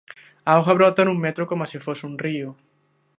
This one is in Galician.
A auga brota no metro coma se fose un río.